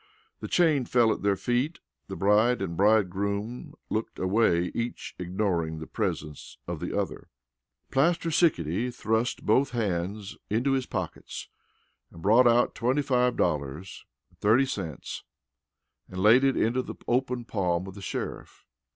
The chain fell at their feet. The bride and bridegroom looked away, each ignoring the presence of the other. Plaster Sickety thrust both hands into his pockets, brought out twenty five dollars and thirty cents and laid it into the open palm of the sheriff.